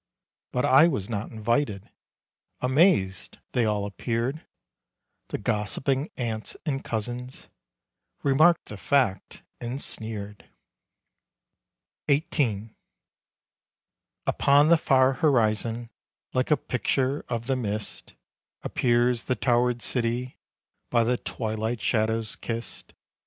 But I was not invited. Amazed they all appeared; The gossiping aunts and cousins Remarked the fact, and sneered. XVIII. Upon the far horizon Like a picture of the mist, Appears the towered city By the twilight shadows kissed.